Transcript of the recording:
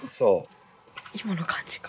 今の感じか。